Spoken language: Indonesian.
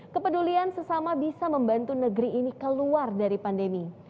kepedulian sesama bisa membantu negeri ini keluar dari pandemi